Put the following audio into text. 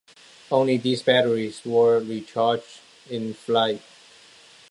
Only these batteries were recharged in flight.